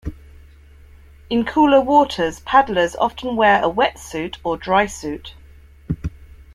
In cooler waters, paddlers often wear a wetsuit or drysuit.